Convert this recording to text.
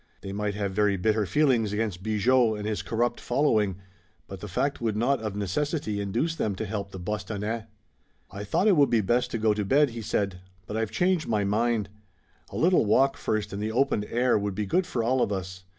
They might have very bitter feelings against Bigot and his corrupt following, but the fact would not of necessity induce them to help the Bostonnais. "I thought it would be best to go to bed," he said, "but I've changed my mind. A little walk first in the open air would be good for all of us.